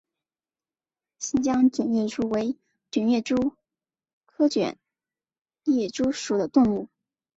新疆卷叶蛛为卷叶蛛科卷叶蛛属的动物。